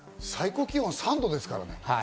最高気温が３度ですからね。